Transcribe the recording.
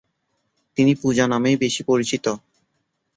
তিনি পূজা নামেই বেশি পরিচিত।